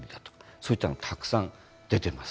そういったものがたくさん出ています。